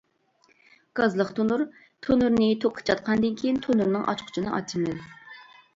گازلىق تونۇر: تونۇرنى توكقا چاتقاندىن كېيىن تونۇرنىڭ ئاچقۇچىنى ئاچىمىز.